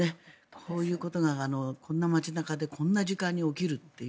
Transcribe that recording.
こういうことがこんな街中でこんな時間に起きるという。